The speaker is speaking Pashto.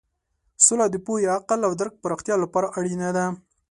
سوله د پوهې، عقل او درک پراختیا لپاره اړینه ده.